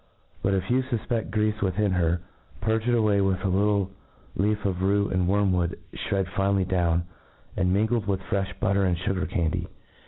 But if you fufpeft greafe within her, purge it away with a little leaf of rue and wormwood fhred finely down, and mingled with frefh butter and fugar* candy.